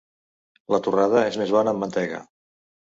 La torrada és més bona amb mantega.